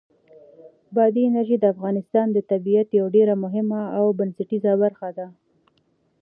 بادي انرژي د افغانستان د طبیعت یوه ډېره مهمه او بنسټیزه برخه ده.